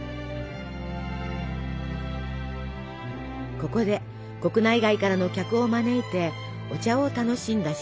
ここで国内外からの客を招いてお茶を楽しんだ渋沢。